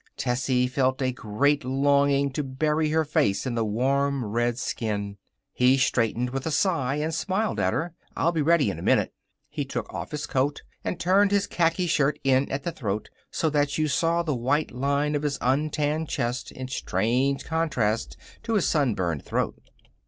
Tessie felt a great longing to bury her face in the warm red skin. He straightened with a sigh and smiled at her. "I'll be ready in a minute." He took off his coat and turned his khaki shirt in at the throat, so that you saw the white line of his untanned chest in strange contrast to his sun burned throat.